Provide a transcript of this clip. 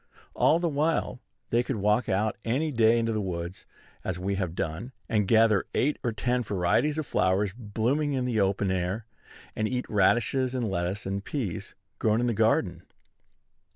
All the while they could walk out any day into the woods, as we have done, and gather eight or ten varieties of flowers blooming in the open air, and eat radishes and lettuce and peas grown in the garden.